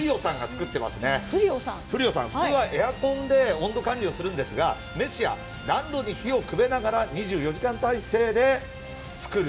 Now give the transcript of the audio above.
普通は他の方法で温度管理をするんですが日夜、暖炉に火をくべながら３６５日体制で作る。